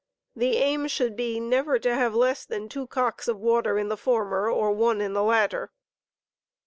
The aim should be never to have less than two cocks of water in the former or one in the latter.